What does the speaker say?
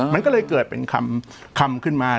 มันก็เลยเกิดเป็นคำขึ้นมา